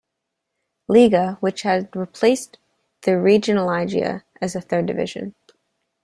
Liga, which had replaced the Regionalliga as the third division.